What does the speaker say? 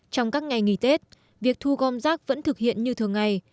trong các ngày nghỉ tết việc thu gom rác vẫn thực hiện như thường ngày